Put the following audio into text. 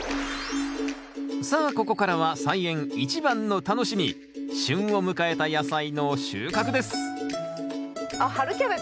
さあここからは菜園一番の楽しみ旬を迎えた野菜の収穫ですあっ春キャベツ？